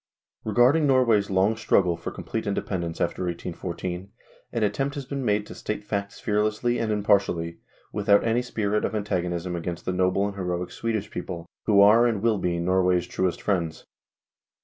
VI PREFACE Regarding Norway's long struggle for complete independence after 1814 an attempt has been made to state facts fearlessly and impartially, without any spirit of antagonism against the noble and heroic Swedish people, who are and will be Norway's truest friends.